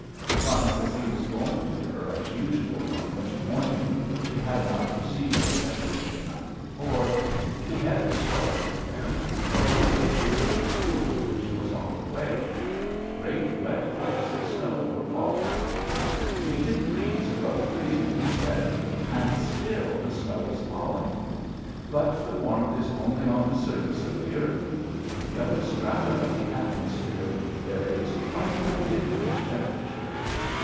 Once as he was going to her as usual one winter morning he had not received her message the night before he had his daughter with him, for he was taking her to school which was on the way. Great wet flakes of snow were falling. "Three degrees above freezing," he said, "and still the snow is falling. But the warmth is only on the surface of the earth. In the upper strata of the atmosphere there is quite a different temperature."